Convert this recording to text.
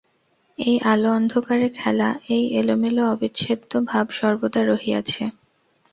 এই আলো-অন্ধকারে খেলা, এই এলোমেলো অবিচ্ছেদ্য ভাব সর্বদা রহিয়াছে।